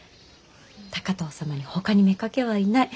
高藤様にほかに妾はいない。